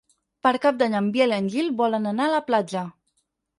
Per Cap d'Any en Biel i en Gil volen anar a la platja.